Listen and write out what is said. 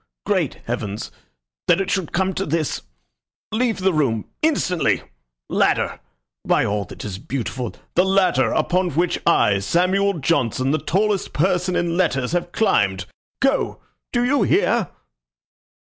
Great heavens! That it should come to this! ... Leave the room instantly! Ladder! By all that is beautiful the ladder upon which I, Samuel Johnson, the tallest person in letters, have climbed! Go! Do you hear?"